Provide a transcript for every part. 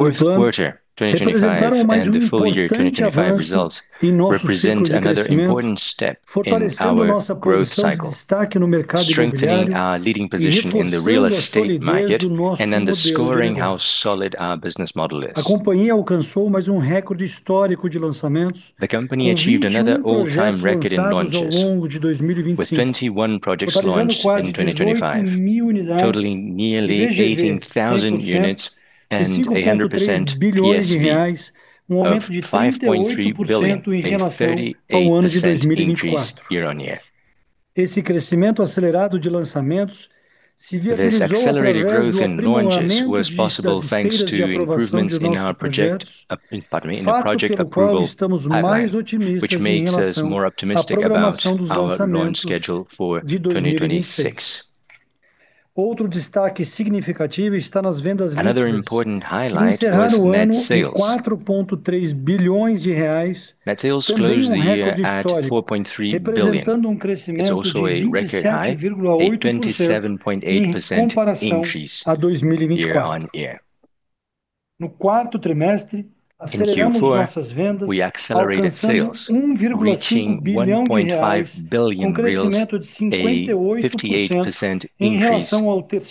Q4 2025 and the full year 2025 results represent another important step in our growth cycle, strengthening our leading position in the real estate market and underscoring how solid our business model is. The company achieved another all-time record in launches, with 21 projects launched in 2025, totaling nearly 18,000 units and 100% PSV of 5.3 billion, a 38% increase year-on-year. This accelerated growth in launches was possible thanks to improvements in the project approval pipeline, which makes us more optimistic about our launch schedule for 2026. Another important highlight was net sales. Net sales closed the year at 4.3 billion. It's also a record high, a 27.8% increase year-on-year. In Q4, we accelerated sales, reaching 1.5 billion, a 58% increase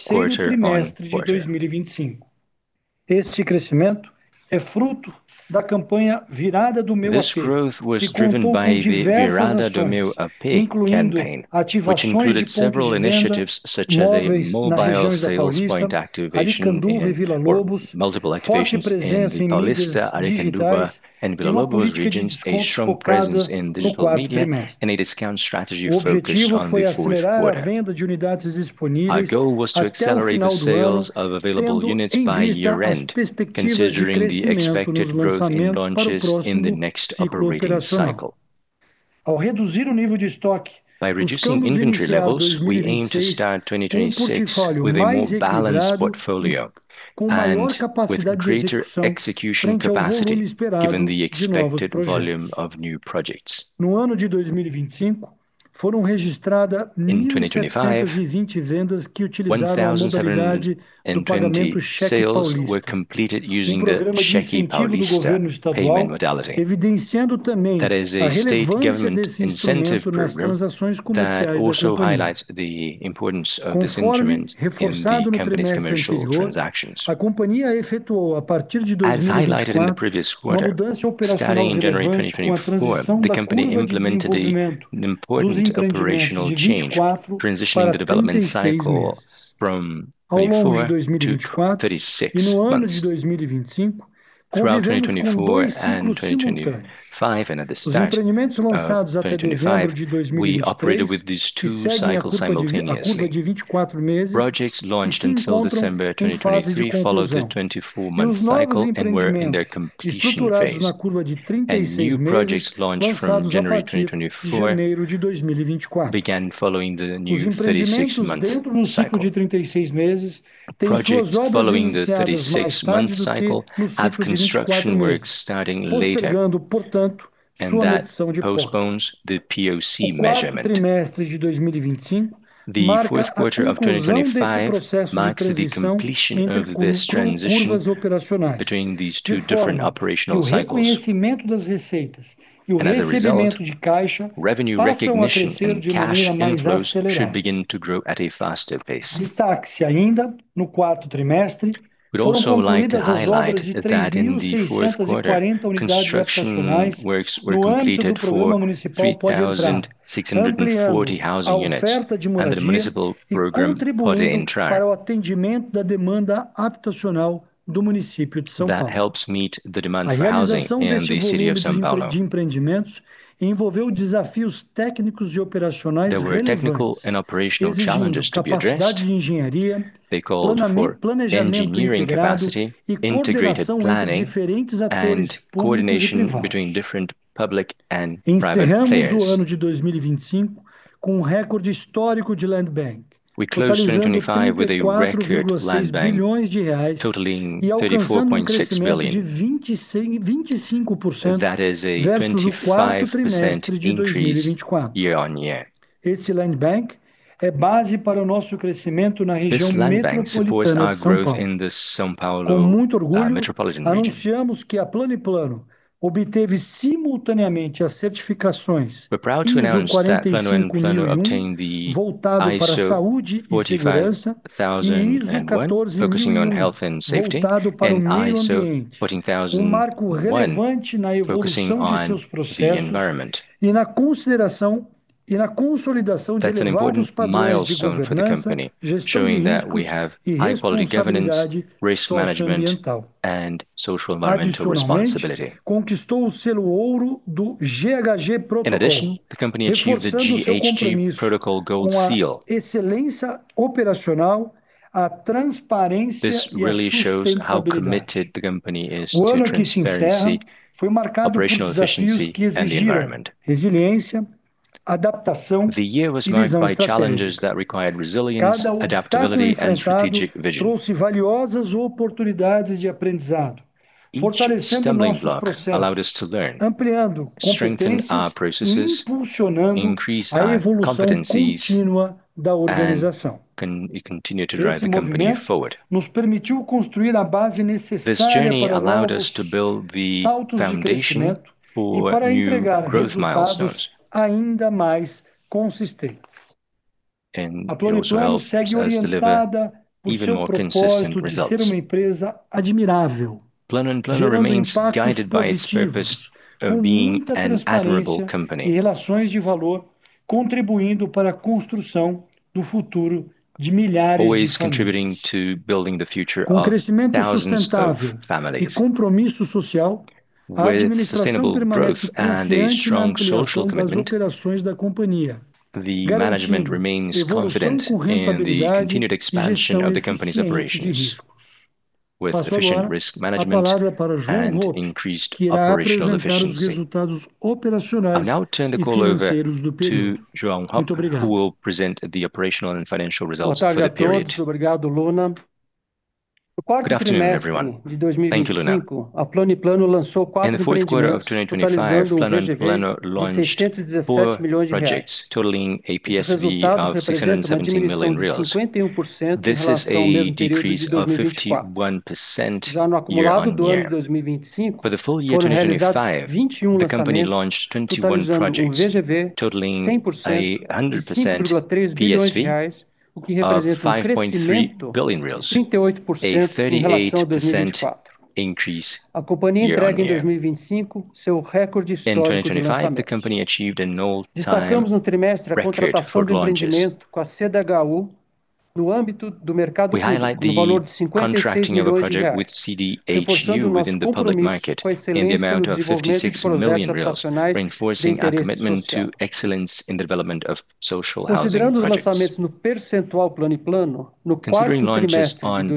quarter-on-quarter. This growth was driven by the Virada do Meu AP campaign, which included several initiatives such as multiple activations in the Paulista, Aricanduva, and Vila Lobos regions, a strong presence in digital media, and a discount strategy focused on the Q4. Our goal was to accelerate the sales of available units by year-end, considering the expected growth in launches in the next operating cycle. By reducing inventory levels, we aim to start 2026 with a more balanced portfolio and with greater execution capacity given the expected volume of new projects. In 2025, 1,720 sales were completed using the Cheque Paulista payment modality. That is a state government incentive program that also highlights the importance of this instrument in the company's commercial transactions. As highlighted in the previous quarter, starting in January 2024, the company implemented an important operational change, transitioning the development cycle from 24 to 36 months. Throughout 2024 and 2025, we operated with these two cycles simultaneously. Projects launched until December 2023 followed the 24-month cycle and were in their completion Phase, and new projects launched from January 2024 began following the new 36-month cycle. Projects following the 36-month cycle have construction works starting later, and that postpones the POC measurement. The Q4 2025 marks the completion of this transition between these two different operational cycles. As a result, revenue recognition and cash inflows should begin to grow at a faster pace. We'd also like to highlight that in the Q4, construction works were completed for 3,640 housing units under the municipal program Pode Entrar, that helps meet the demand for housing in the city of São Paulo. There were technical and operational challenges to be addressed. They called for engineering capacity, integrated planning, and coordination between different public and private players. We closed 2025 with a record land bank totaling 34.6 billion reais. That is a 25% increase year-over-year. This land bank supports our growth in the São Paulo metropolitan region. We're proud to announce that Plano & Plano obtained the ISO 45001, focusing on health and safety, and ISO 14001, focusing on the environment. That's an important milestone for the company, showing that we have high quality governance, risk management, and social environmental responsibility. In addition, the company achieved a GHG Protocol gold seal. This really shows how committed the company is to transparency, operational efficiency, and the environment. The year was marked by challenges that required resilience, adaptability, and strategic vision. Each stumbling block allowed us to learn, strengthen our processes, increase our competencies, and continue to drive the company forward. This journey allowed us to build the foundation for new growth milestones and also help us deliver even more consistent results. Plano & Plano remains guided by its purpose of being an admirable company always contributing to building the future of thousands of families. With sustainable growth and a strong social commitment, the management remains confident in the continued expansion of the company's operations with efficient risk management and increased operational efficiency. I'll now turn the call over to João Lopes who will present the operational and financial results for the period. Good afternoon, everyone. Thank you, Luna. In the Q4 of 2025, Plano & Plano launched 4 projects totaling a PSV of BRL 617 million. This is a decrease of 51% year-on-year. For the full year 2025, the company launched 21 projects totaling 100% PSV of 5.3 billion, a 38% increase year-on-year. In 2025, the company achieved an all-time record for launches. We highlight the contracting of a project with CDHU within the public market in the amount of BRL 56 million, reinforcing their commitment to excellence in the development of social housing projects. Considering launches on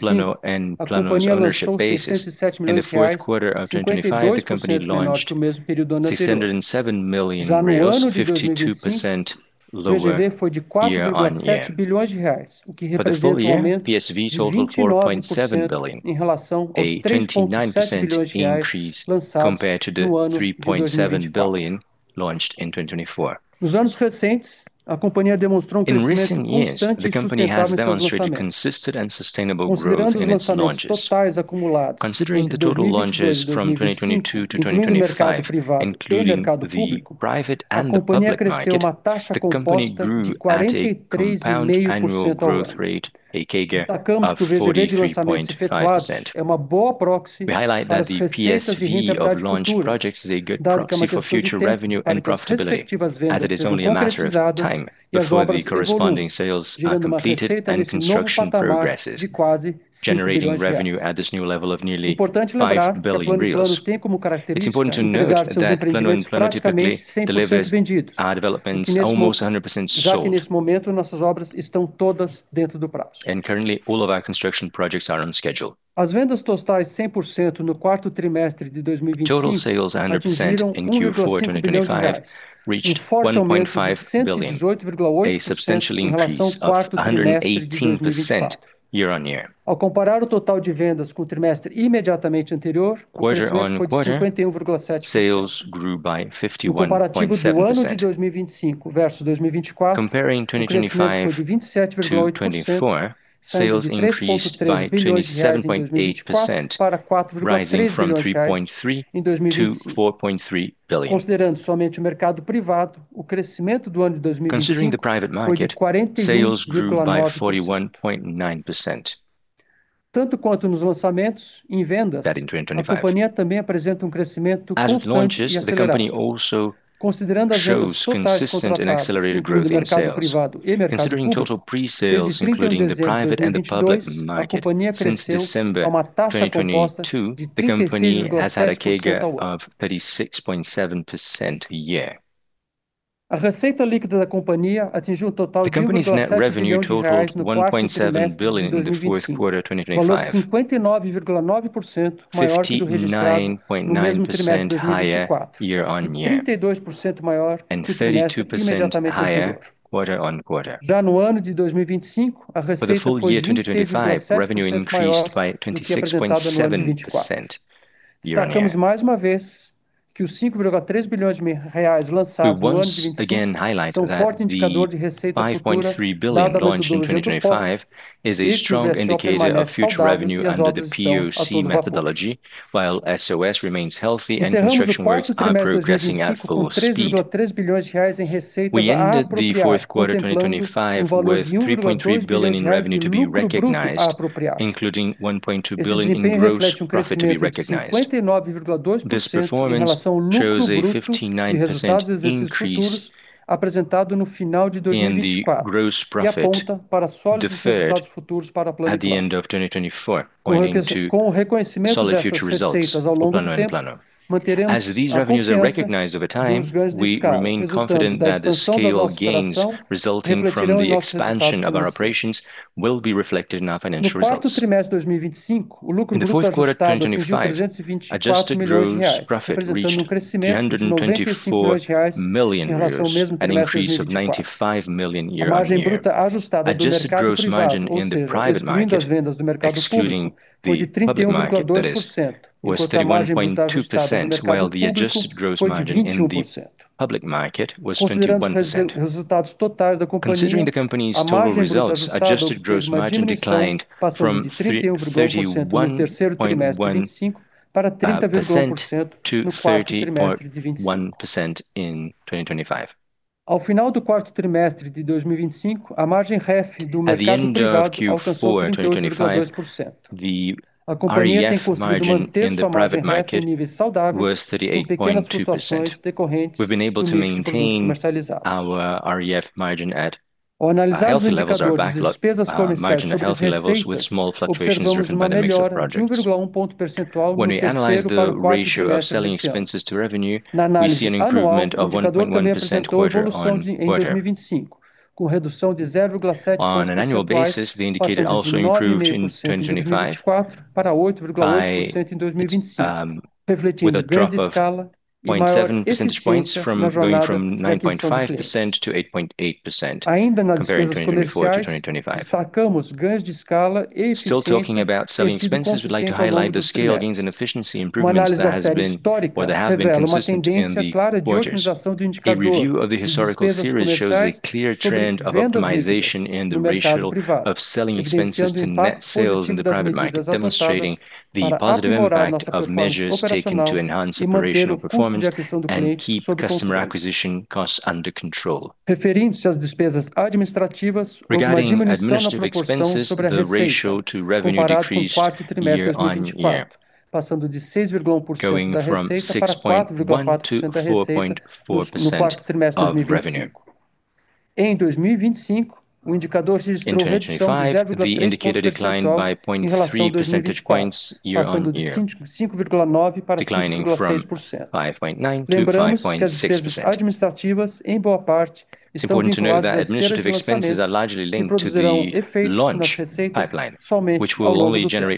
Plano & Plano's ownership basis, in the Q4 of 2025, the company launched 607 million, 52% lower year-on-year. For the full year, PSV totaled 4.7 billion, a 29% increase compared to the 3.7 billion launched in 2024. In recent years, the company has demonstrated consistent and sustainable growth in its launches. Considering the total launches from 2022 to 2025, including the private and the public market, the company grew at a compound annual growth rate, a CAGR, of 43.5%. We highlight that the PSV of launched projects is a good proxy for future revenue and profitability, as it is only a matter of time before the corresponding sales are completed and construction progresses, generating revenue at this new level of nearly 5 billion reais. It's important to note that Plano & Plano typically delivers our developments almost 100% sold, and currently all of our construction projects are on schedule. Total sales at 100% in Q4 2025 reached 1.5 billion, a substantial increase of 118% year-on-year. Quarter-on-quarter, sales grew by 51.7%. Comparing 2025 to 2024, sales increased by 27.8%, rising from BRL 3.3 billion-BRL 4.3 billion. Considering the private market, sales grew by 41.9% in 2025. As with launches, the company also shows consistent and accelerated growth in sales. Considering total pre-sales including the private and the public market since December 2022, the company has had a CAGR of 36.7% a year. The company's net revenue totaled 1.7 billion in the Q4 2025, 59.9% higher year-on-year, and 32% higher quarter-on-quarter. For the full year 2025, revenue increased by 26.7% year-on-year. We once again highlight that the 5.3 billion launched in 2025 is a strong indicator of future revenue under the POC methodology while VSO remains healthy and construction works are progressing at full speed. We ended the Q4 2025 with 3.3 billion in revenue to be recognized, including 1.2 billion in gross profit to be recognized. This performance shows a 59% increase in the gross profit deferred at the end of 2024 owing to solid future results for Plano & Plano. As these revenues are recognized over time, we remain confident that the scale gains resulting from the expansion of our operations will be reflected in our financial results. In the Q4 2025, adjusted gross profit reached BRL 324 million, an increase of BRL 95 million year-on-year. Adjusted gross margin in the private market, excluding the public market that is, was 31.2%, while the adjusted gross margin in the public market was 21%. Considering the company's total results, adjusted gross margin declined from 31.1% to 30.1% in 2025. Ao final do quarto trimestre de 2025, a margem REF do mercado privado alcançou 38.2%. A companhia tem conseguido manter sua margem REF em níveis saudáveis, com pequenas flutuações decorrentes do mix de projetos comercializados. Ao analisarmos o indicador das despesas comerciais sobre as receitas, observamos uma melhora de 1.1 ponto percentual do terceiro para o quarto trimestre deste ano. Na análise anual, o indicador também apresentou evolução em 2025, com redução de 0.7 pontos percentuais, passando de 9.5% em 2024 para 8.8% em 2025, refletindo ganhos de escala e maior eficiência na jornada de aquisição de clientes. Ainda nas despesas comerciais, destacamos ganhos de escala e eficiência que têm sido consistentes ao longo dos trimestres. Uma análise da série histórica revela uma tendência clara de otimização do indicador de despesas comerciais sobre vendas líquidas no mercado privado, evidenciando o impacto positivo das medidas adotadas para aprimorar nossa performance operacional e manter o custo de aquisição do cliente sob controle. Referente-se às despesas administrativas, houve uma diminuição na proporção sobre a receita comparado com o quarto trimestre de 2024, passando de 6.1% da receita para 4.4% da receita no quarto trimestre de 2025. Em 2025, o indicador registrou redução de 0.3 ponto percentual em relação a 2024, passando de 5.9% para 5.6%. Lembramos que as despesas administrativas, em boa parte, estão vinculadas à esteira de lançamentos, que produzirão efeitos nas receitas somente ao longo do tempo.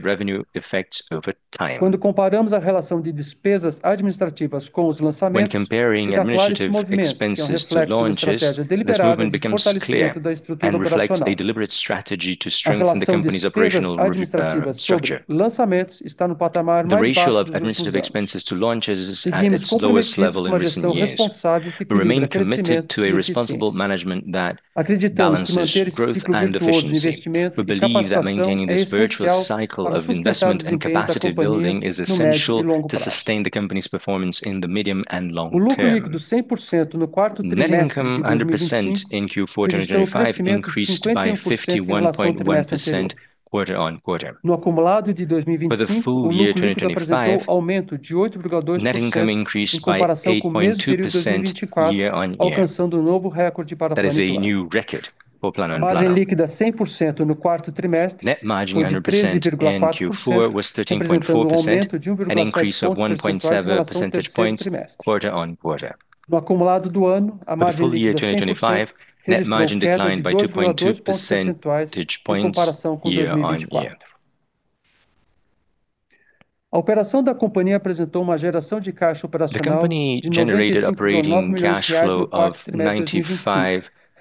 Quando comparamos a relação de despesas administrativas com os lançamentos, fica claro esse movimento, que é um reflexo de uma estratégia deliberada de fortalecimento da estrutura operacional. A relação de despesas administrativas sobre lançamentos está no patamar mais baixo dos últimos anos. Seguimos comprometidos com uma gestão responsável que equilibra crescimento e eficiência. Acreditamos que manter esse ciclo virtuoso de investimento e capacitação é essencial para sustentar o desempenho da companhia no médio e longo prazo. O lucro líquido 100% no quarto trimestre de 2025 registrou um crescimento de 51.7% em relação ao trimestre anterior.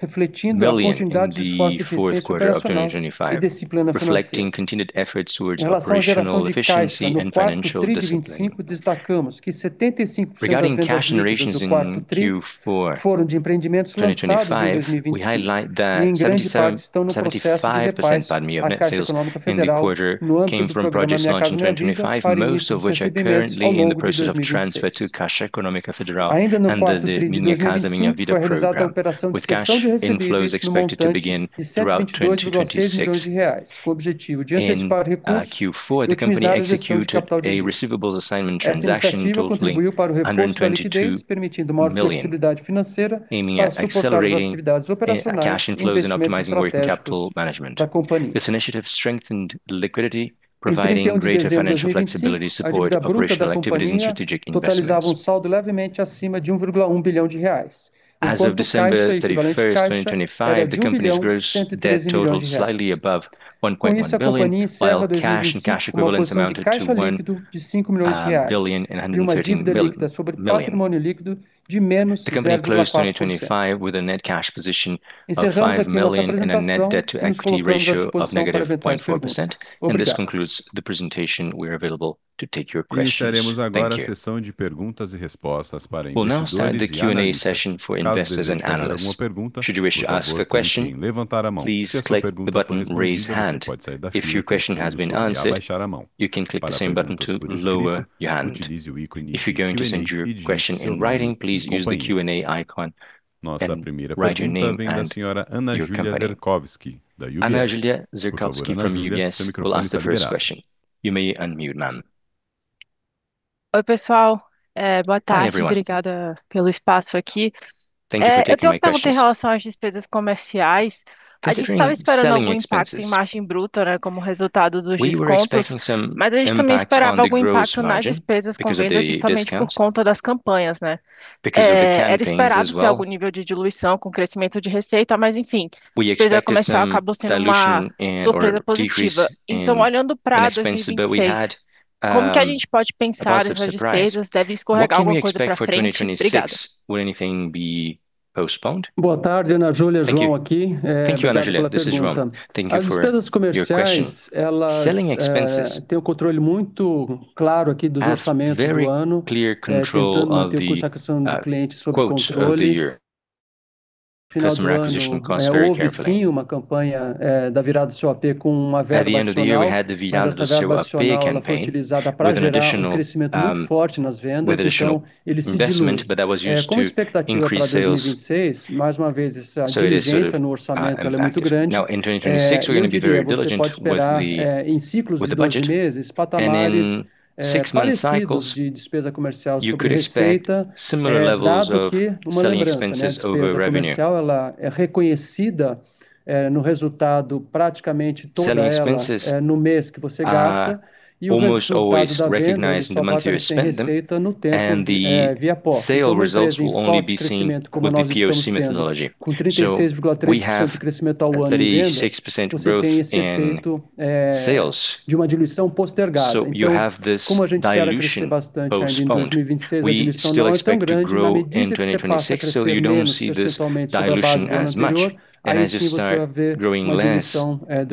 No acumulado de 2025, o lucro líquido apresentou aumento de 8.2% em comparação com o mesmo período de 2024, alcançando um novo recorde para a Plano & Plano. A margem líquida 100% no quarto trimestre foi de 13.4%, representando um aumento de 1.7 pontos percentuais em relação ao terceiro trimestre. No acumulado do ano, a margem líquida 100% registrou queda de 2.2 pontos percentuais em comparação com 2024. A operação da companhia apresentou uma geração de caixa operacional de BRL 95.9 milhões de reais no quarto trimestre de 2025, refletindo a continuidade dos esforços de eficiência operacional e disciplina financeira. Em relação à geração de caixa no quarto tri de 2025, destacamos que 75% das vendas líquidas do quarto tri foram de empreendimentos lançados em 2025 e em grande parte estão no processo de repasse à Caixa Econômica Federal no âmbito do programa Minha Casa, Minha Vida para início de recebimentos ao longo de 2026. Ainda no quarto tri de 2025, foi realizada a operação de cessão de recebíveis no montante de BRL 122.6 milhões de reais, com o objetivo de antecipar recursos utilizados em sua capital de giro. Essa iniciativa contribuiu para o reforço da liquidez, permitindo maior flexibilidade financeira para suportar as atividades operacionais e investimentos em projetos da companhia. Em 31 de dezembro de 2025, a dívida bruta da companhia totalizava um saldo levemente acima de BRL 1.1 bilhão, enquanto o caixa e equivalentes de caixa era de BRL 1.113 bilhão. Com isso, a companhia encerra 2025 com uma posição de caixa líquido de BRL 5 milhões e uma dívida líquida sobre patrimônio líquido de -0.4%. Encerramos aqui a nossa apresentação e nos colocamos à disposição para eventuais perguntas. Obrigado. Iniciaremos agora a sessão de perguntas e respostas para investidores e analistas. Caso deseje fazer alguma pergunta, por favor, clique em levantar a mão. Se a sua pergunta foi respondida, você pode sair da fila clicando em baixar a mão. Para perguntas por escrito, utilize o ícone de Q&A e digite o seu nome e o da companhia. Nossa primeira pergunta vem da Senhora Ana Júlia Zerkowski, da UBS. Por favor, Ana Júlia, seu microfone está aberto. Ana Júlia Zerkowski from UBS will ask the first question. You may unmute now. Oi, pessoal. Boa tarde. Obrigada pelo espaço aqui. O que eu perguntei em relação às despesas comerciais, a gente estava esperando algum impacto em margem bruta, né, como resultado dos descontos, mas a gente também esperava algum impacto nas despesas com vendas justamente por conta das campanhas, né? Era esperado ter algum nível de diluição com o crescimento de receita, mas enfim, a despesa acabou sendo uma surpresa positiva. Então, olhando pra 2026, como que a gente pode pensar essas despesas? Deve escorrer alguma coisa pra frente? Obrigada. Boa tarde, Ana Júlia, João aqui. Obrigado pela pergunta. As despesas comerciais têm o controle muito claro aqui dos orçamentos do ano, tentando manter o custo de aquisição do cliente sob controle. Customer acquisition costs very carefully. At the end of the year, we had the Virada do Meu AP campaign with additional investment, but that was used to increase sales. It is impacted. Now, in 2026, we're going to be very diligent with the budget, and in six-month cycles, you could expect similar levels of selling expenses over revenue. Selling expenses are almost always recognized in the material spent, then, and the sale results will only be seen with the POC methodology. We have a 36% growth in sales. You have this dilution postponed. We still expect to grow in 2026, so you don't see this dilution as much. As you start growing less year-on-year,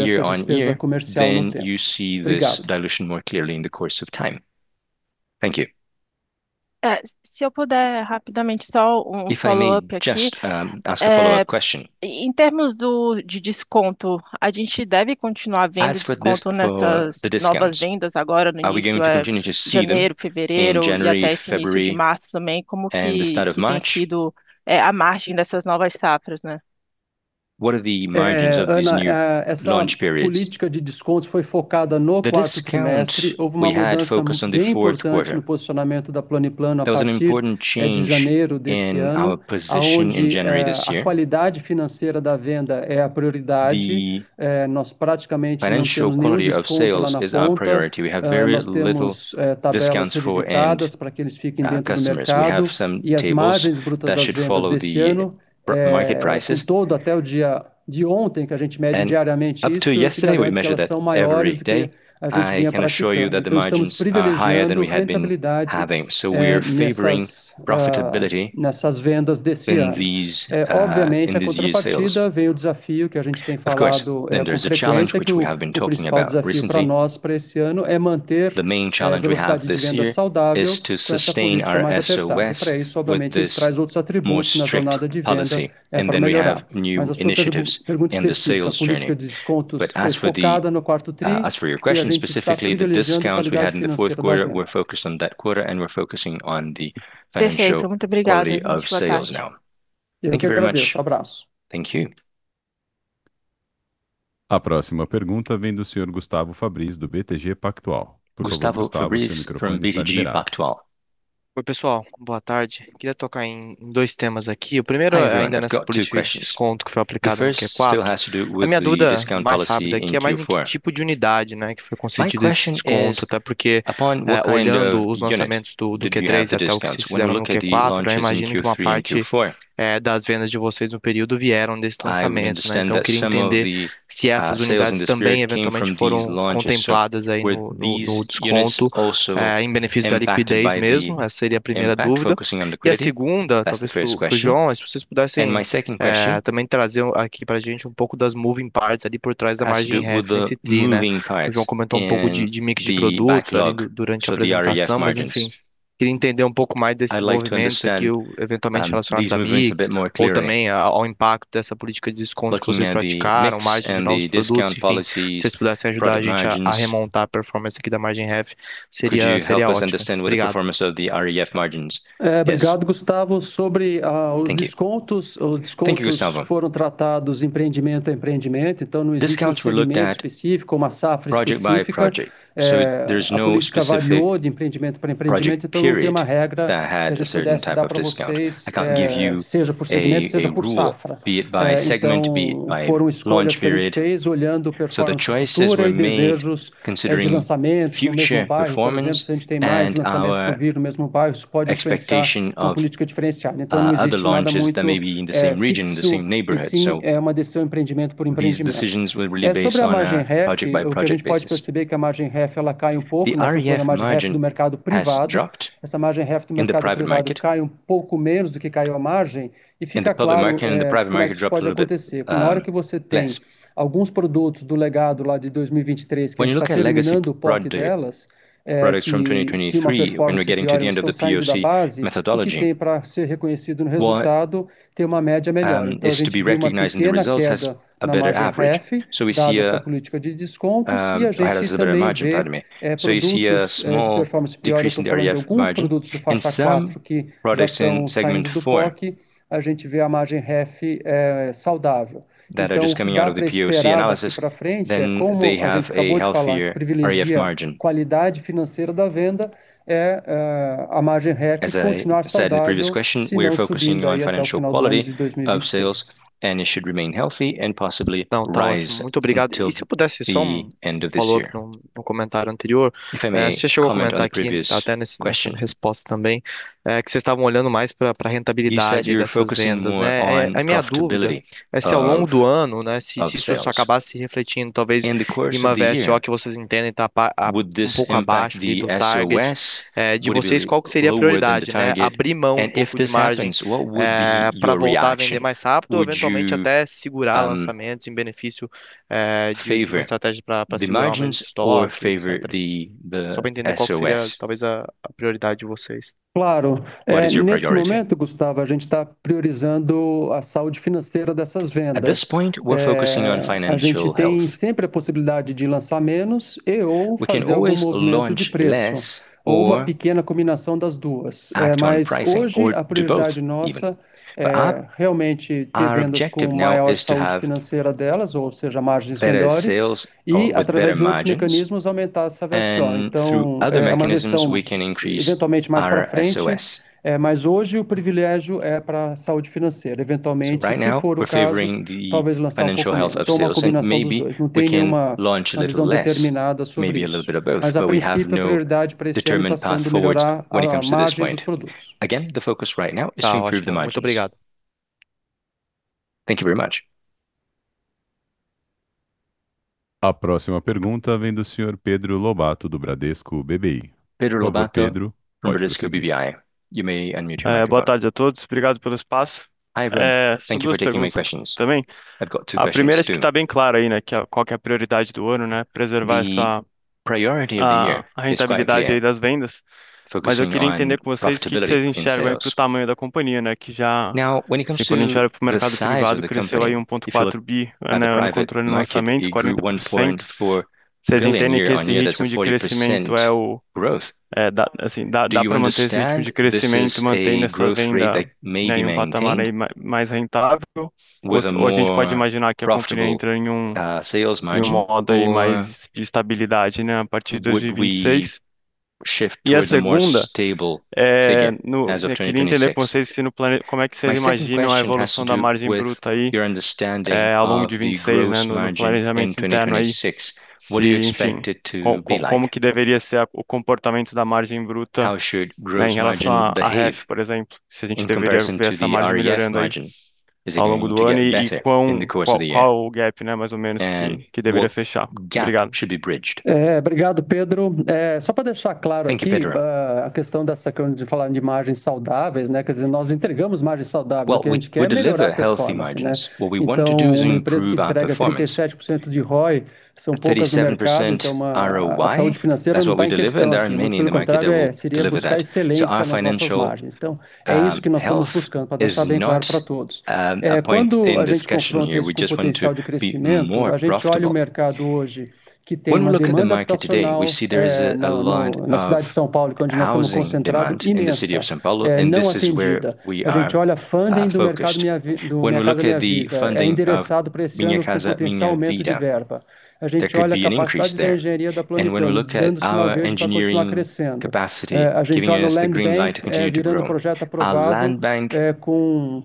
then you see this dilution more clearly in the course of time. Thank you. Se eu puder rapidamente só um follow-up aqui. If I may just ask a follow-up question. Em termos de desconto, a gente deve continuar vendo desconto nessas novas vendas agora no início, janeiro, fevereiro e até esse início de março também, que tem sido a margem dessas novas safras, né? What are the margins of these new launch periods? Ana, essa política de descontos foi focada no quarto trimestre. Houve uma mudança bem importante no posicionamento da Plano & Plano a partir de janeiro desse ano, onde a qualidade financeira da venda é a prioridade. Nós praticamente não temos nenhum desconto lá na ponta. Nós temos tabelas restritas pra que eles fiquem dentro do mercado e as margens brutas das vendas desse ano, no todo até o dia de ontem, que a gente mede diariamente isso, foram a maior medição do que a gente tinha praticamente. Estamos privilegiando a rentabilidade nessas vendas desse ano. Obviamente, na contrapartida, vem o desafio que a gente tem falado, com frequência, que o principal desafio pra nós pra esse ano é manter a velocidade de venda saudável com essa política mais apertada. Pra isso, obviamente, a gente traz outros atributos na jornada de venda, pra melhorar. A sua pergunta específica, a política de descontos foi focada no quarto tri e a gente está privilegiando a qualidade financeira da venda. Perfeito, muito obrigada, muito boa tarde. Eu que agradeço. Abraço. Thank you. A próxima pergunta vem do senhor Gustavo Fabris, do BTG Pactual. Por favor, Gustavo, seu microfone está ligado. Gustavo Fabris from BTG Pactual. Oi, pessoal. Boa tarde. Queria tocar em dois temas aqui. O primeiro ainda nessa política de desconto que foi aplicada no Q4. A minha dúvida mais rápida aqui é mais em que tipo de unidade, né, que foi concedido esse desconto, até porque olhando os lançamentos do Q3 até o Q4, eu imagino que uma parte das vendas de vocês no período vieram desses lançamentos, né. Então eu queria entender se essas unidades também eventualmente foram contempladas aí no desconto, em benefício da liquidez mesmo. Essa seria a primeira dúvida. A segunda, talvez pro João, é se vocês pudessem também trazer aqui pra gente um pouco das moving parts ali por trás da margem REF esse tri, né. O João comentou um pouco de mix de produto ali durante a apresentação, mas enfim, queria entender um pouco mais desses movimentos aqui, eventualmente relacionados a mix ou também ao impacto dessa política de desconto que vocês praticaram, a margem de novos produtos, enfim, se vocês pudessem ajudar a gente a remontar a performance aqui da margem REF, seria ótimo. Obrigado. Obrigado, Gustavo. Sobre os descontos foram tratados empreendimento a empreendimento, então não existe um segmento específico ou uma safra específica. A política variou de empreendimento pra empreendimento, então não tem uma regra que a gente pudesse dar pra vocês, seja por segmento, seja por safra. Então foram escolhas que a gente fez olhando performance futura e desejos de lançamento no mesmo bairro. Por exemplo, se a gente tem mais lançamento por vir no mesmo bairro, isso pode diferenciar uma política diferenciada. Então não existe nada muito fixo, e sim uma decisão empreendimento por empreendimento. Sobre a margem REF, o que a gente pode perceber é que a margem REF ela cai um pouco na safra. A margem REF do mercado privado, essa margem REF do mercado privado cai um pouco menos do que caiu a margem e fica claro, como é que isso pode acontecer. Na hora que você tem alguns produtos do legado lá de 2023 que a gente tá terminando o POC delas, que tinha uma performance pior e estão saindo da base, o que tem pra ser reconhecido no resultado tem uma média melhor. Então a gente vê uma pequena queda na margem REF dada essa política de descontos e a gente também vê produtos de performance pior e também alguns produtos do Faixa 4 que já estão saindo do POC, a gente vê a margem REF saudável. O que dá pra esperar daqui pra frente é, como a gente acabou de falar, privilegiar qualidade financeira da venda, a margem REF continuar saudável, se não subir, até o final do ano de 2026. Não, tá ótimo. Muito obrigado. Se eu pudesse só um follow up num comentário anterior. Cê chegou a comentar aqui até nessa questão de resposta também, que cês tavam olhando mais pra rentabilidade dessas vendas, né? A minha dúvida é se ao longo do ano, se isso acabasse refletindo talvez em uma VSO que vocês entendem tá um pouco abaixo aí do target de vocês, qual que seria a prioridade, né? Abrir mão um pouco de margens pra voltar a vender mais rápido ou eventualmente até segurar lançamentos em benefício de uma estratégia pra segurar mais o estoque, sei lá. Só pra entender qual que seria talvez a prioridade de vocês. Claro. Nesse momento, Gustavo, a gente tá priorizando a saúde financeira dessas vendas. A gente tem sempre a possibilidade de lançar menos e/ou fazer algum movimento de preço ou uma pequena combinação das duas. Mas hoje a prioridade nossa é realmente ter vendas com maior saúde financeira delas, ou seja, margens melhores e através de outros mecanismos aumentar essa SO. Então é uma decisão eventualmente mais pra frente, mas hoje o privilégio é pra saúde financeira. Eventualmente, se for o caso, talvez lançar um pouquinho menos ou uma combinação dos dois. Não tem uma visão determinada sobre isso, mas a princípio a prioridade pra este ano tá sendo melhorar a margem dos produtos. Tá ótimo. Muito obrigado. Thank you very much. A próxima pergunta vem do senhor Pedro Lobato, do Bradesco BBI. Alô, Pedro. Pode prosseguir. Pedro Lobato, Bradesco BBI. You may unmute your microphone. Boa tarde a todos, obrigado pelo espaço. Duas perguntas também. A primeira é que tá bem claro aí, né, que qual que é a prioridade do ano, né? Preservar essa, a rentabilidade aí das vendas. Mas eu queria entender com vocês o que que cês enxergam pro tamanho da companhia, né, que já, se a gente olha pro mercado privado, cresceu aí 1.4 billion, né, ano controle no orçamento, 40%. Cês entendem que esse ritmo de crescimento assim dá pra manter esse ritmo de crescimento mantendo essa venda, né, num patamar aí mais rentável, ou a gente pode imaginar que a companhia entra em um modo aí mais de estabilidade, né, a partir de 2026? A segunda, eu queria entender com vocês se no planejamento, como é que cês imaginam a evolução da margem bruta aí, ao longo de 2026, né, no planejamento interno aí, se como que deveria ser o comportamento da margem bruta, né, em relação à REF, por exemplo, se a gente deveria ver essa margem melhorando ao longo do ano e qual o gap, né, mais ou menos que deveria fechar. Obrigado. Thank you, Pedro. Obrigado, Pedro. Só pra deixar claro aqui, a questão dessa, quando a gente fala de margens saudáveis, quer dizer, nós entregamos margem saudável, porque a gente quer melhorar a performance. Uma empresa que entrega 37% de ROE, são poucas no mercado, a saúde financeira nossa tá em questão aqui, o plano de mercado é, seria buscar excelência nas nossas margens. É isso que nós tamos buscando, pra deixar bem claro pra todos. Quando a gente confronta isso com o potencial de crescimento, a gente olha o mercado hoje, que tem uma demanda potencial, na cidade de São Paulo, que é onde nós tamos concentrados, nessa, não atendida. A gente olha a funding do mercado Minha Casa, Minha Vida, é endereçado pra esse ano com potencial aumento de verba. A gente olha a capacidade da engenharia da Plano & Plano, dentro do seu DNA pra continuar crescendo. A gente olha o land bank, virando projeto aprovado, com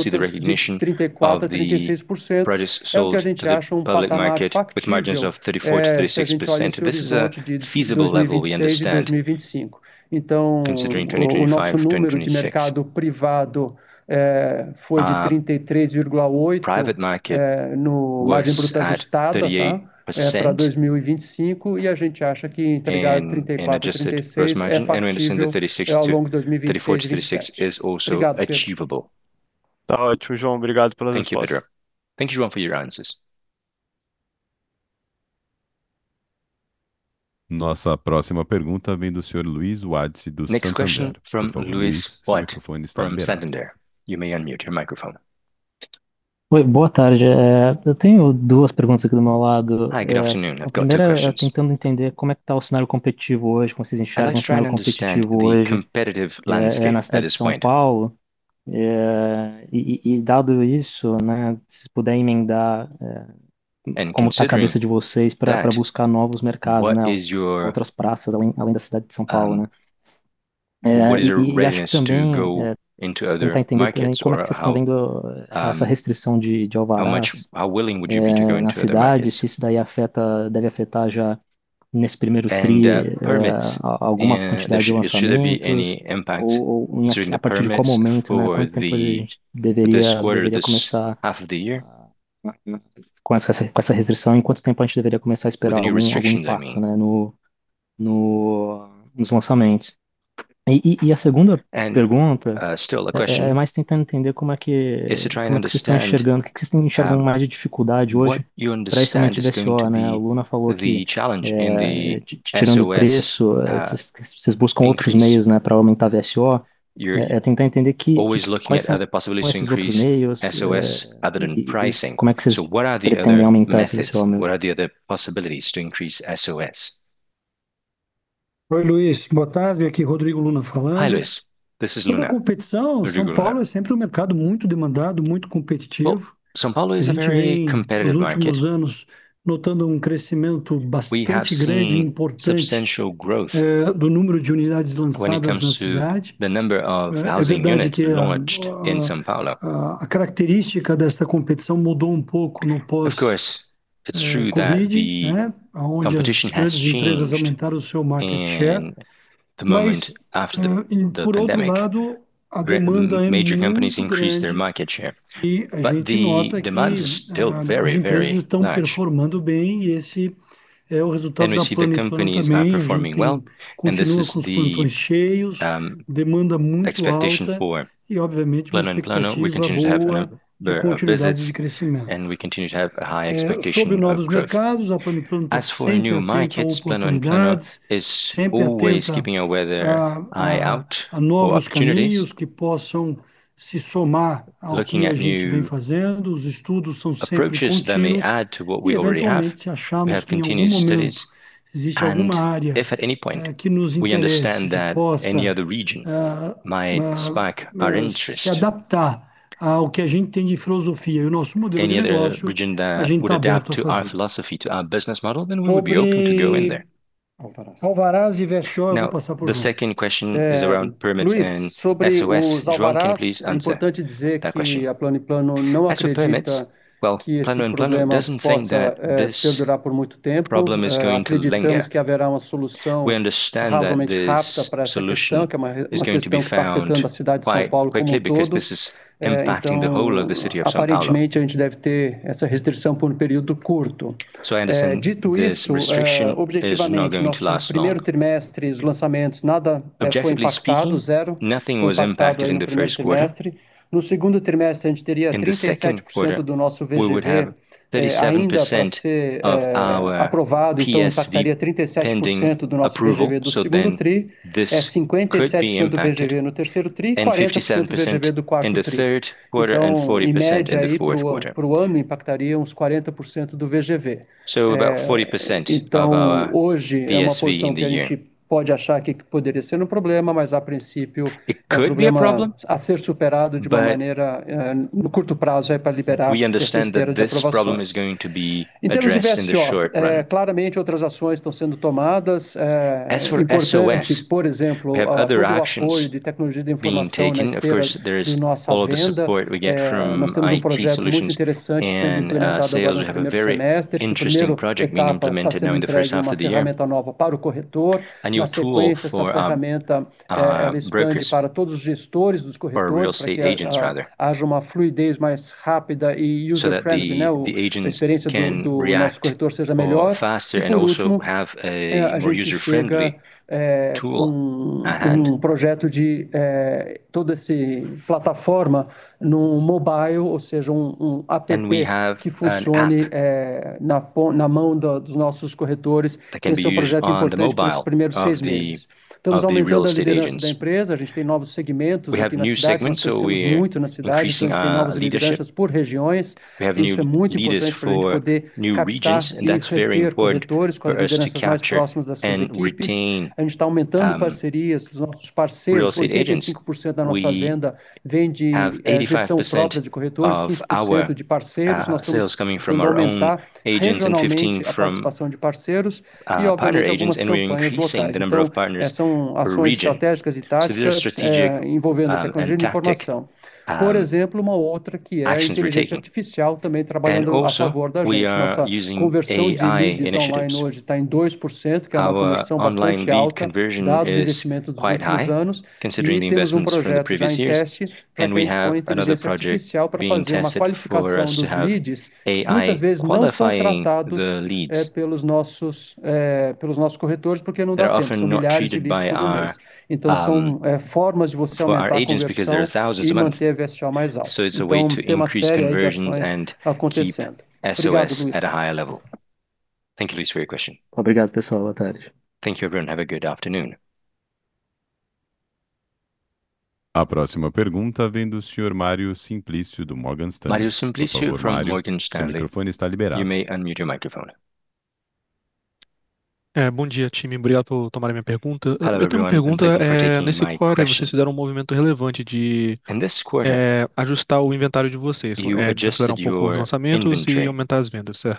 ajustada, tá? Pra 2025 e a gente acha que entregar aí 34%-36% é factível, ao longo de 2026 e 2027. Obrigado, Pedro. Thank you, Pedro. Thank you, João, for your answers. Nossa próxima pergunta vem do senhor Luiz Pires, do Santander. Por favor, Luiz, seu microfone está liberado. Next question from Luiz Pires from Santander. You may unmute your microphone. Oi, boa tarde. Eu tenho duas perguntas aqui do meu lado. A primeira é tentando entender como é que tá o cenário competitivo hoje, como cês enxergam o cenário competitivo hoje, aqui na cidade de São Paulo. E dado isso, né, se puderem emendar, como tá a cabeça de vocês pra buscar novos mercados, né, outras praças além da cidade de São Paulo, né? E acho que também tentar entender também como é que cês tão vendo essa restrição de alvarás, na cidade, se isso daí afeta, deve afetar já nesse primeiro tri, alguma quantidade de lançamentos ou a partir de qual momento, né, quanto tempo a gente deveria começar com essa restrição, em quanto tempo a gente deveria começar a esperar algum impacto, né, nos lançamentos. Oi, Luiz, boa tarde, aqui Rodrigo Luna falando. Sobre a competição, São Paulo é sempre um mercado muito demandado, muito competitivo. A gente vem, nos últimos anos, notando um crescimento bastante grande e importante do número de unidades lançadas na cidade. É verdade que a característica dessa competição mudou um pouco no pós COVID, aonde as grandes empresas aumentaram o seu market share, mas por outro lado, a demanda ainda é muito grande. A gente nota que as empresas estão performando bem e esse We see the companies are performing well, and this is the expectation for Plano & Plano. We continue to have a number of visits, and we continue to have a high expectation of growth. As for new markets, Plano & Plano is always keeping our weather eye out for opportunities. Looking at new approaches that may add to what we already have. We have continuous studies, and if at any point we understand that any other region might spike our interest, any other region that would adapt to our philosophy, to our business model, then we would be open to go in there. Now, the second question is around permits and VSO. João can please answer that question. As for permits, well, Plano & Plano doesn't think that this problem is going to linger. We understand that this solution is going to be found quite quickly because this is impacting the whole of the city of São Paulo. Anderson, this restriction is not going to last long. Objectively speaking, nothing was impacted in the Q1. In the Q2, we would have 37% of our PSV pending approval. This could be impacted, and 57% in the Q3 and 40% in the Q4. About 40% of our PSV in the year. It could be a problem, but we understand that this problem is going to be addressed in the short run. As for VSO, we have other actions being taken. Of course, there is all of the support we get from IT solutions and, sales. We have a very interesting project being implemented during the first half of the year. A new tool for brokers or real estate agents rather, so that the agents can react a little faster and also have a more user-friendly tool at hand. We have an app that can be used on the mobile of the real estate agents. We have new segments, so we are increasing our leadership. We have new leaders for new regions, and that's very important for us to capture and retain real estate agents. We have 85% of our sales coming from our own agents and 15 from partner agents, and we're increasing the number of partners per region. There are strategic and tactical actions we're taking. We are using AI initiatives. Our online lead conversion is quite high considering the investments from the previous years, and we have another project being tested for us to have AI qualifying the leads. They are often not treated by our agents because there are thousands a month. It's a way to increase conversions and keep VSO at a higher level. Thank you, Luiz, for your question. Thank you, everyone. Have a good afternoon. Mario Simplício from Morgan Stanley. You may unmute your microphone. Hello, everyone, and thank you for taking my question. In this quarter, you adjusted your inventory, fewer launches and more sales. Considering what you already said for launches and growth of the year, do you, Anderson, this is going to be sustained into 2026? Are you going to continue to have your inventory levels as they are?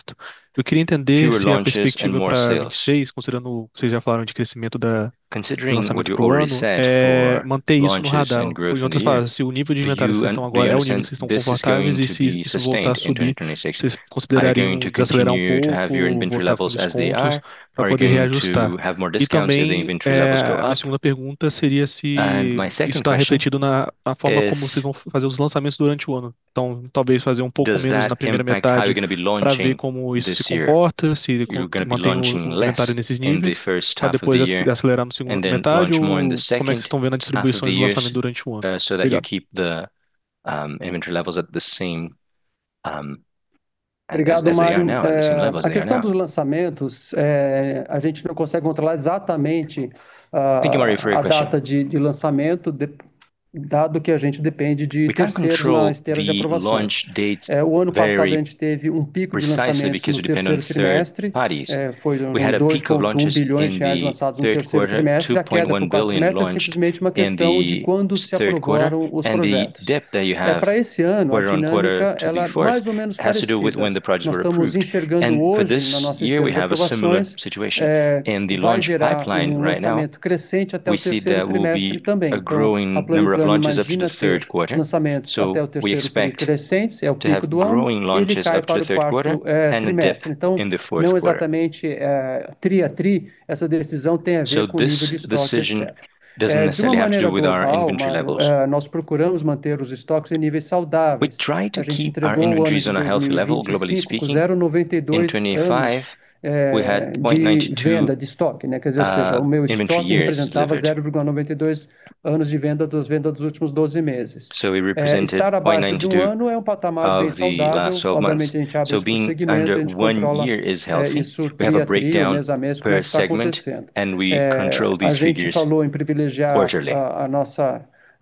Are you going to have more discounts so the inventory levels go up? My second question is, does that impact how you're going to be launching this year? You're going to be launching less in the first half of the year and then launching more in the second half of the year, so that you keep the inventory levels at the same levels they are now? Thank you, Mario, for your question. princípio, o nosso alvo para o ano é aumentar essa margem bruta, e se precisar, a gente faz algum movimento pro final do ano, mas não tem nenhuma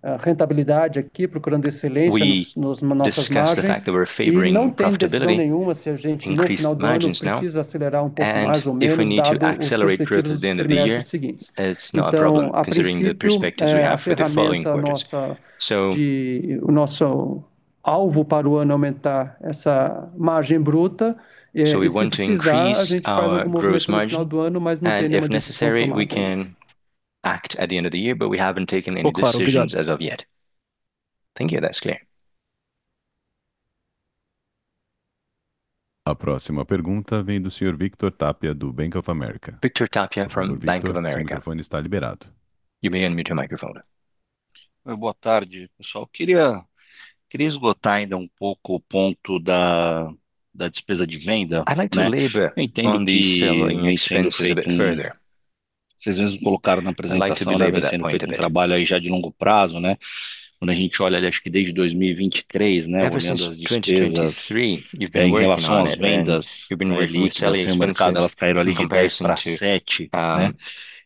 decisão tomada. Ó claro, obrigado. A próxima pergunta vem do senhor Victor Tapia, do Bank of America. Senhor Victor, o seu microfone está liberado. Boa tarde, pessoal. Queria esgotar ainda um pouco o ponto da despesa de venda, né. Eu entendo que isso sendo feito, vocês mesmo colocaram na apresentação ali, sendo feito um trabalho aí já de longo prazo, né. Quando a gente olha ali, acho que desde 2023, né, olhando as despesas em relação às vendas, a gente vê que elas são impactadas, elas caíram ali de 10% pra 7%, né.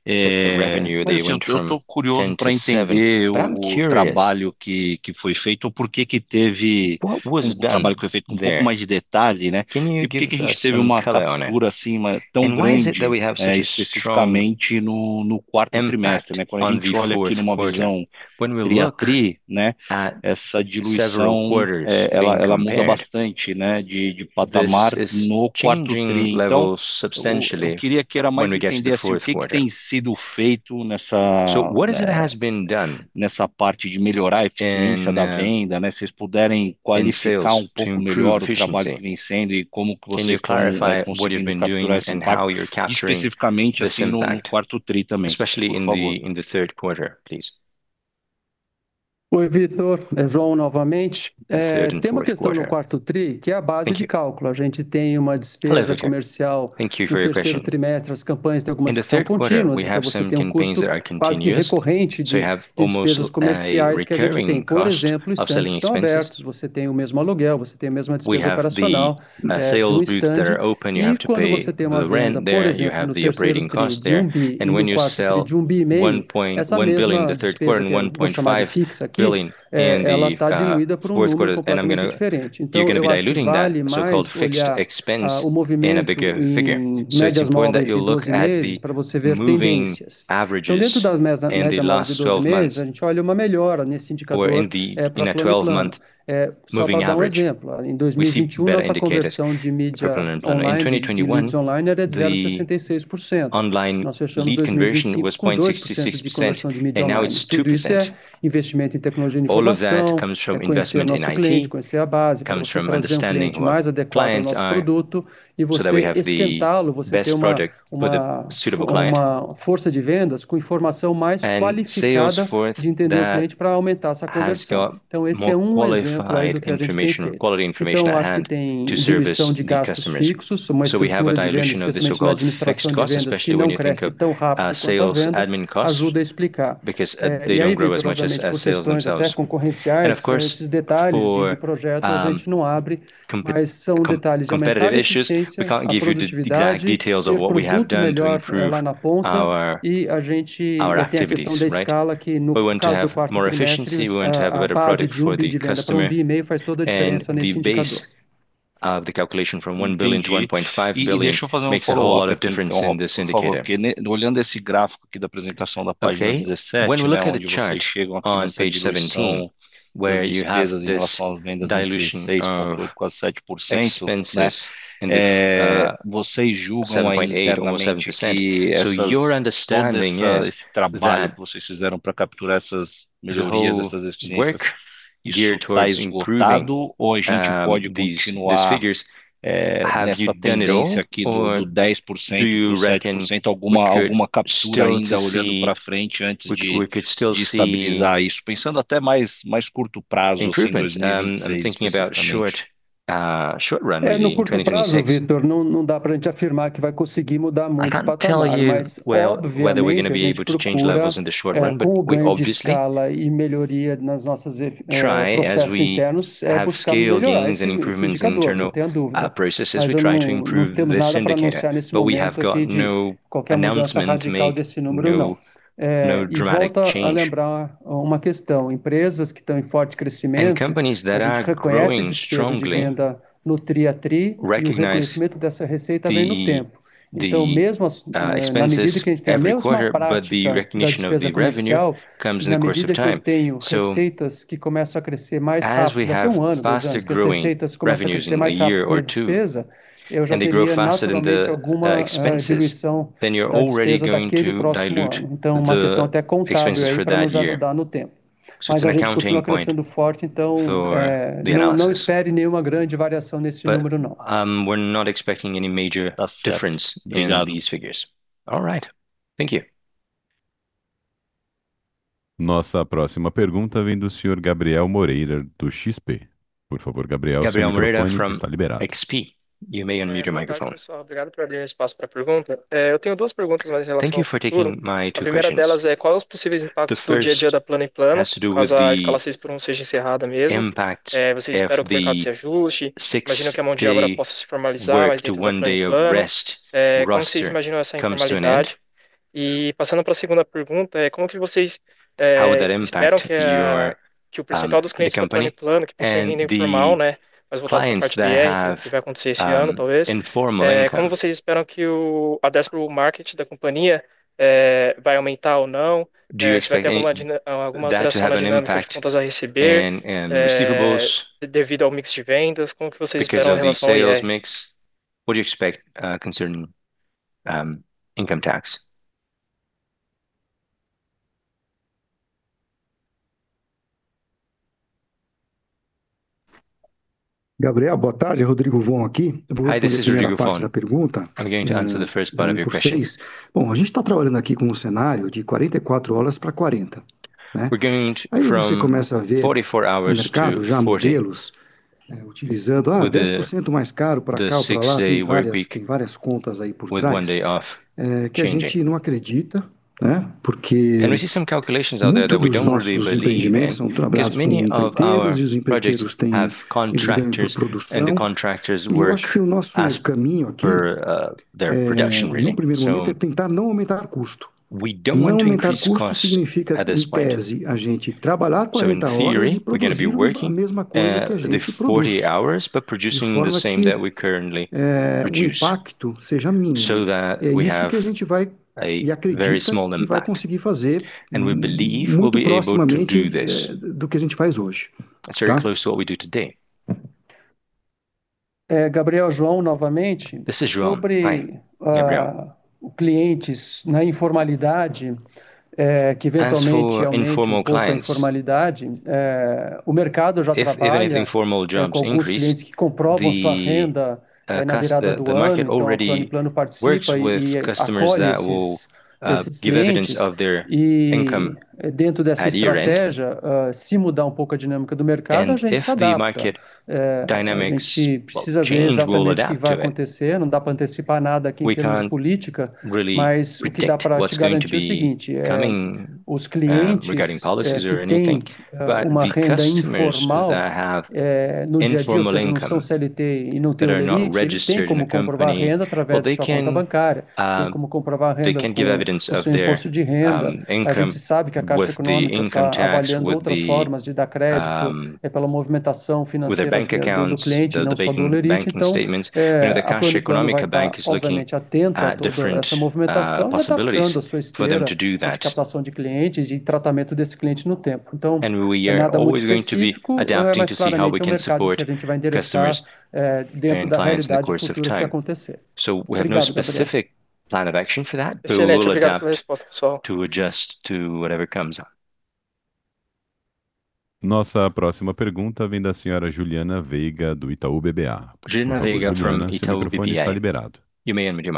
É, olha, eu estou curioso pra entender o trabalho que foi feito ou por que que teve o trabalho que foi feito com um pouco mais de detalhe, né, e por que que a gente teve uma captura assim tão grande, é, especificamente no quarto trimestre, né. Quando a gente olha aqui numa visão trimestre a trimestre, né, essa diluição, é, ela muda bastante, né, de patamar no quarto tri. Eu queria mais entender assim o que que tem sido feito nessa parte de melhorar a eficiência da venda, né. Se vocês puderem qualificar um pouco melhor o trabalho que vem sendo e como que vocês tão conseguindo capturar esse impacto especificamente assim no quarto tri também, por favor. Oi, Victor, é o Jô novamente. Tem uma questão no quarto tri, que é a base de cálculo. A gente tem uma despesa comercial no terceiro trimestre, as campanhas têm algumas que são contínuas, então você tem um custo quase que recorrente de despesas comerciais que a gente tem. Por exemplo, estandes que tão abertos, você tem o mesmo aluguel, você tem a mesma despesa operacional do estande. Quando você tem uma venda, por exemplo, no terceiro tri de BRL 1 billion e no quarto tri de BRL 1.5 billion, essa mesma despesa que é nessa montante fixa aqui, ela tá diluída por um número completamente diferente. Então eu acho que vale mais olhar o movimento em médias móveis de 12 meses pra você ver tendências. Dentro das médias móveis de 12 meses, a gente olha uma melhora nesse indicador para Plano & Plano. Só para dar um exemplo: em 2021, nossa conversão de mídia online, de leads online era 0.66%. Nós fechamos 2025 com 2% de conversão de mídia online. Tudo isso é investimento em tecnologia da informação, conhecer o nosso cliente, conhecer a base, conhecer e trazer um cliente mais adequado ao nosso produto e você esquentá-lo, você ter uma força de vendas com informação mais qualificada de entender o cliente para aumentar essa conversão. Esse é um exemplo aí do que a gente tem feito. Acho que tem diluição de gastos fixos, uma estrutura de vendas, especialmente na administração de vendas, que não cresce tão rápido quanto a venda, ajuda a explicar. Provavelmente, por questões até concorrenciais, esses detalhes de projeto a gente não abre, mas são detalhes de maior eficiência, produtividade e o produto melhor lá na ponta. A gente tem a questão da escala, que no caso do quarto trimestre, a base de venda pra BRL 1.5 bi faz toda a diferença nesse indicador. Entendi. Deixa eu fazer um follow-up então, por favor, porque, né, olhando esse gráfico aqui da apresentação da página 17, né, vocês chegam a ter essa diluição das despesas em relação às vendas de 6.8% pra 7%, né, vocês julgam aí internamente que essas, esse trabalho que vocês fizeram pra capturar essas melhorias, essas eficiências, isso tá esgotado ou a gente pode continuar nessa tendência aqui do 10% pro 7%? Alguma captura ainda olhando pra frente antes de estabilizar isso, pensando até mais curto prazo, assim, 2026 especificamente. Short run, maybe 2026. I can't tell you well, whether we're going to be able to change levels in the short run, but we obviously try, as we have scale gains and improvements in internal processes, we try to improve this indicator. We have got no announcement to make, no dramatic change. Companies that are growing strongly recognize the expenses every quarter, but the recognition of the revenue comes in the course of time. As we have faster-growing revenues in a year or two, and they grow faster than the expenses, then you're already going to dilute the expenses for that year. It's an accounting point for the analysis. We're not expecting any major difference in these figures. All right. Thank you. Gabriel Moreira from XP. You may unmute your microphone. Thank you for taking my two questions. The first has to do with the impact of the six-day work-to-one-day-of-rest roster comes to an end. How does that impact your company and the clients that have informal income? Do you expect that to have an impact on receivables because of the sales mix? What do you expect concerning income tax? Hi, this is Rodrigo Luna. I'm going to answer the first part of your question. We're going from 44 hours to 40 with the six day workweek with one day off changing. We see some calculations out there that we don't really believe in. Many of our projects have contractors, and the contractors work as per their production really. We don't want to increase costs at this point. In theory, we're going to be working the 40 hours, but producing the same that we currently produce, so that we have a very small impact. We believe we'll be able to do this. It's very close to what we do today. This is João. Hi, Gabriel. As for informal clients, if anything formal jobs increase, the market already works with customers that will give evidence of their income at year-end. If the market dynamics change, we'll adapt to it. We can't really predict what's going to be coming regarding policies or anything, but the customers that have informal income, that are not registered in the company, well, they can give evidence of their income with the income tax, with their bank accounts, the bank statements. You know, the Caixa Econômica bank is looking at different possibilities for them to do that. We are always going to be adapting to see how we can support customers and clients in the course of time. We have no specific plan of action for that, but we will adapt to adjust to whatever comes up. Juliana Veiga from Itaú BBA. You may unmute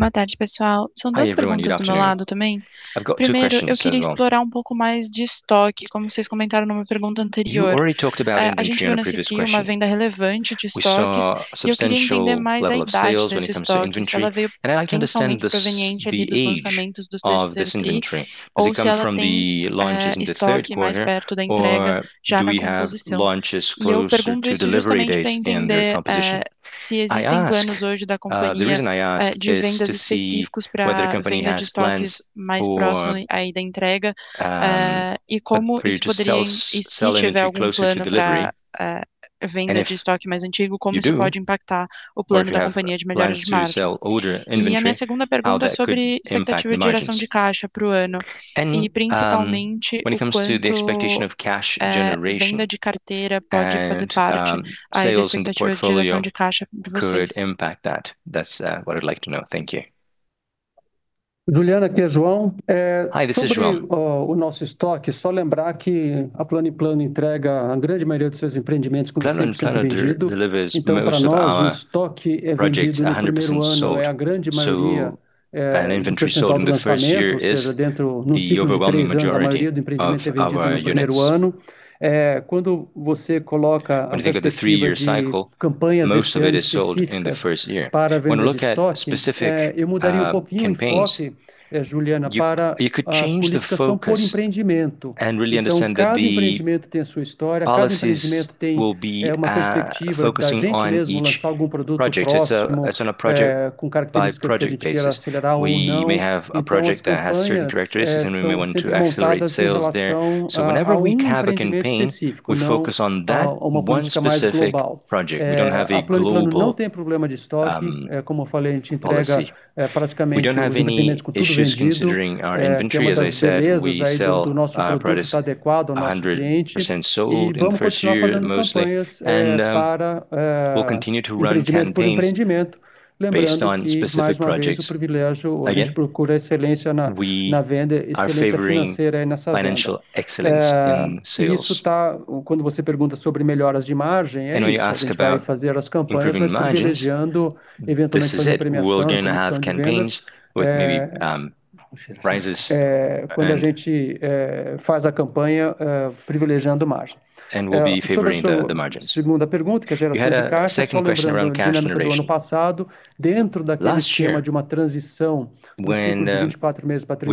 your microphone. I've got two questions as well. You already talked about inventory in a previous question. We saw a substantial level of sales when it comes to inventory, and I'd like to understand this, the age of this inventory. Does it come from the launches in the Q3, or do we have launches closer to delivery dates and their composition? I ask, the reason I ask is to see whether the company has plans for you to sell inventory closer to delivery. If you do, or if you have plans to sell older inventory, how that could impact your margins. When it comes to the expectation of cash generation and sales and portfolio could impact that. That's what I'd like to know. Thank you. Hi, this is João. Plano & Plano delivers most of our projects 100% sold. Inventory sold in the first year is the overwhelming majority of our units. When you think of the three-year cycle, most of it is sold in the first year. When we look at specific campaigns, you could change the focus and really understand that the policies will be focusing on each project. It's on a project by project basis. We may have a project that has certain characteristics, and we may want to accelerate sales there. Whenever we have a campaign, we focus on that one specific project. We don't have a global policy. We don't have any issues considering our inventory. As I said, we sell our products 100% sold in the first year mostly, and we'll continue to run campaigns based on specific projects. Again, we are favoring financial excellence in sales. When you ask about improving margins, this is it. We're going to have campaigns with maybe prizes and we'll be favoring the margins. We had a second question around cash generation. Last year when we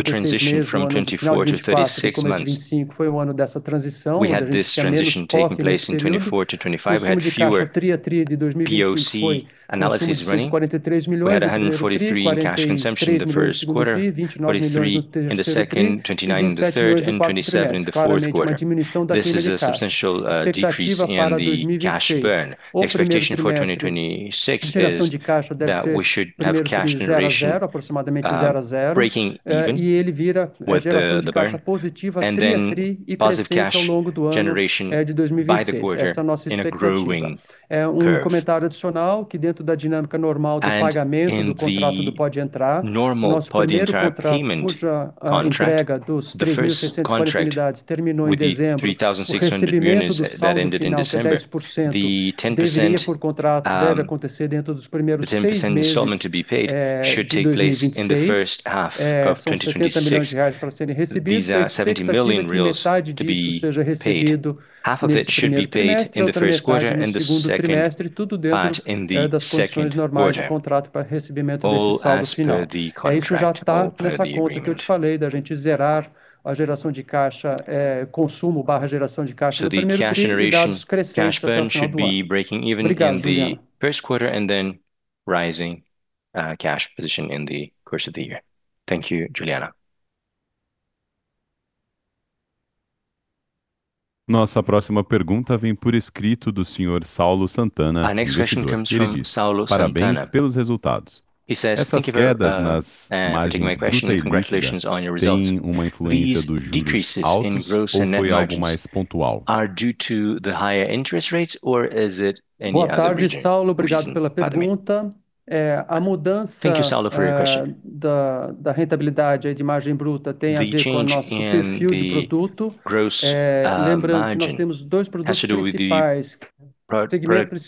transitioned from 24 to 26 months, we had this transition taking place in 2024 to 2025. We had fewer POC analyses running. We had 143 in cash consumption in the Q1, 43 in the second, 29 in the third, and 27 in the Q4. This is a substantial decrease in the cash burn. The expectation for 2026 is that we should have cash generation, breaking even with the burn and then positive cash generation by the quarter in a growing curve. In the normal Pode Entrar payment contract, the first contract with the 3,600 units that ended in December, the 10% installment to be paid should take place in the first half of 2026. These are 70 million to be paid. Half of it should be paid in the Q1 and the second part in the Q2, all as per the contract or per the agreement. The cash generation cash burn should be breaking even in the Q1 and then rising cash position in the course of the year. Thank you, Juliana. Nossa próxima pergunta vem por escrito do senhor Saulo Santana, investidor. Ele disse: "Parabéns pelos resultados. Essas quedas nas margens brutas e líquidas têm uma influência dos juros altos ou foi algo mais pontual? Thank you, Saulo, for your question. The change in the gross margin has to do with the product profile. We have the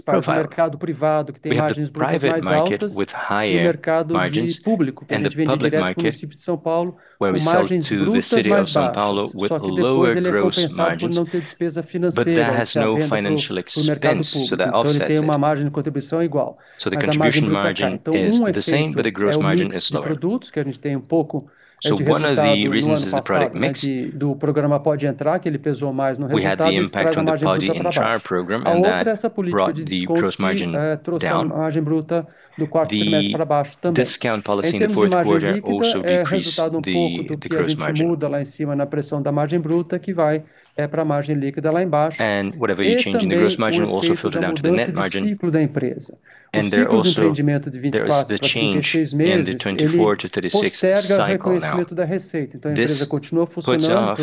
private market with higher margins and the public market where we sell to the city of São Paulo with lower gross margins, but that has no financial expense, so that offsets it. The contribution margin is the same, but the gross margin is lower. One of the reasons is the product mix. We had the impact from the Pode Entrar program, and that brought the gross margin down. The discount policy in the Q4 also decreased the gross margin. Whatever you change in the gross margin also filtered down to the net margin. There also is the change in the 24-36 cycle now. This puts off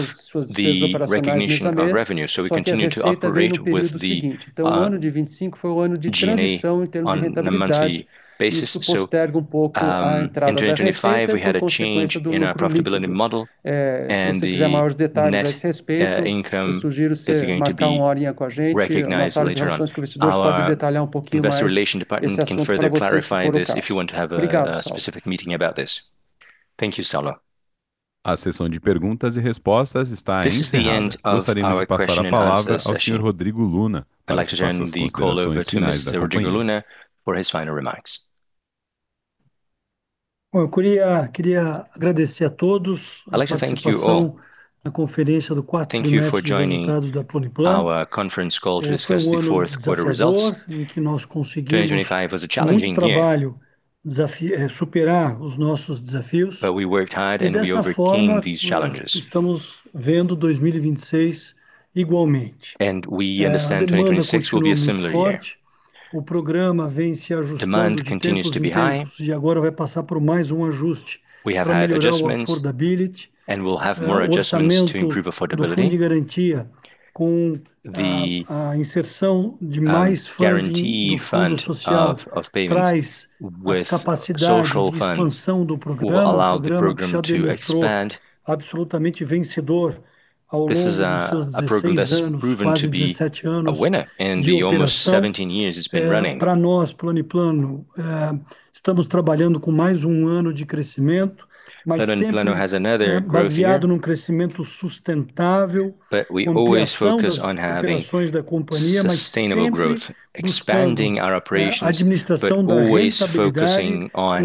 the recognition of revenue, so we continue to operate with the G&A on a monthly basis. In 2025, we had a change in our profitability model and the net income is going to be recognized later on. Our Investor Relations department can further clarify this if you want to have a specific meeting about this. Thank you, Saulo. A sessão de perguntas e respostas está encerrada. Gostaríamos de passar a palavra ao senhor Rodrigo Luna para as suas considerações finais da companhia. I'd like to turn the call over to Mr. Rodrigo Luna for his final remarks. Well, I'd like to thank you all. Thank you for joining our conference call to discuss the Q4 results. 2025 was a challenging year, but we worked hard and we overcame these challenges. We understand 2026 will be a similar year. Demand continues to be high. We have had adjustments and we'll have more adjustments to improve affordability. The guarantee fund of payments with social funds will allow the program to expand. This is a program that's proven to be a winner in the almost 17 years it's been running. Plano & Plano has another growth year, but we always focus on having sustainable growth, expanding our operations, but always focusing on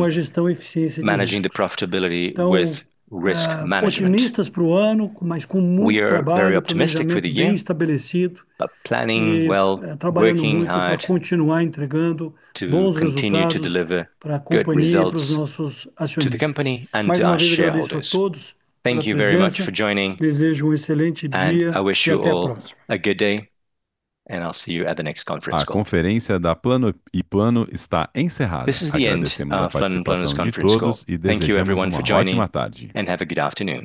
managing the profitability with risk management. We are very optimistic for the year, but planning well, working hard to continue to deliver good results to the company and to our shareholders. Thank you very much for joining, and I wish you all a good day, and I'll see you at the next conference call. A conferência da Plano & Plano está encerrada. Agradecemos a participação de todos e desejamos uma ótima tarde. Have a good afternoon.